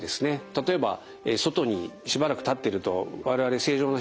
例えば外にしばらく立ってると我々正常な人でもですね